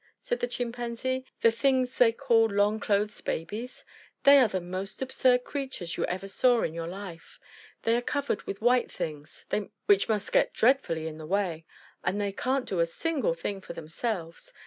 said the Chimpanzee. "The things they call 'long clothes babies'! They are the most absurd creatures you ever saw in your life. They are covered with white things (which must get dreadfully in the way), and they can't do a single thing for themselves.